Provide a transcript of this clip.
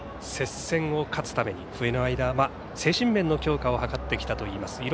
接戦を勝つために冬の間、精神面の強化を図ってきたといいます。